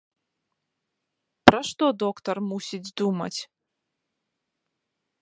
Пра што доктар мусіць думаць?